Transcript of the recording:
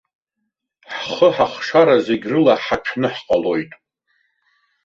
Ҳхы-ҳахшара, зегьрыла ҳаҭәны ҳҟалоит.